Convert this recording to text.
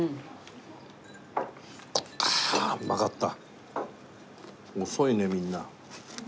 ああうまかった！